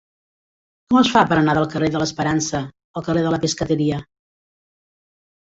Com es fa per anar del carrer de l'Esperança al carrer de la Pescateria?